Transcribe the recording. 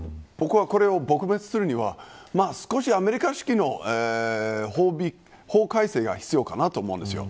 これが撲滅されるためにはアメリカ式の法改正が必要かなと思うんです。